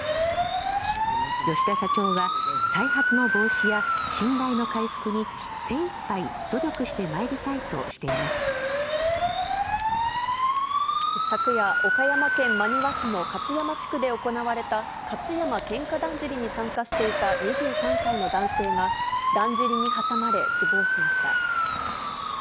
吉田社長は、再発の防止や信頼の回復に精いっぱい努力してまいりたいとしてい昨夜、岡山県真庭市の勝山地区で行われた勝山喧嘩だんじりに参加していた２３歳の男性が、だんじりに挟まれ死亡しました。